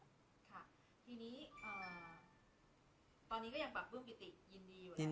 คือนี้อ่า